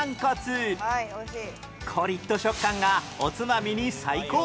コリッと食感がおつまみに最高！